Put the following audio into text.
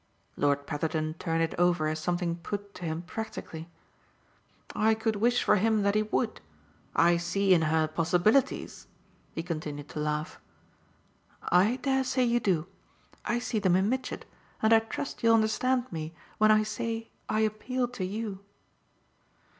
Lord Petherton turned it over as something put to him practically. "I could wish for him that he would. I see in her possibilities !" he continued to laugh. "I dare say you do. I see them in Mitchett, and I trust you'll understand me when I say I appeal to you."